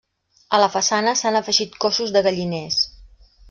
A la façana s'han afegit cossos de galliners.